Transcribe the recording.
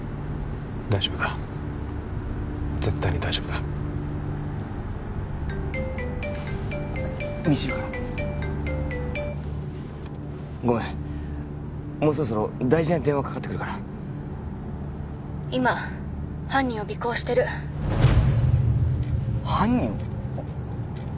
大丈夫だ絶対に大丈夫だ未知留からごめんもうそろそろ大事な電話かかってくるから☎今犯人を尾行してる犯人を？